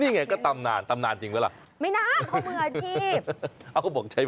นี่ไงก็ตำนานตำนานจริงหรือเปล่าไม่นานค่ะมึร์ดจริง